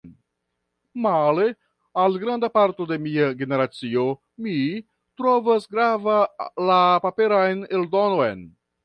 Male al granda parto de mia generacio, mi trovas grava la paperan eldonon.